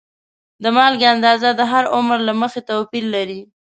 د مالګې اندازه د هر عمر له مخې توپیر لري.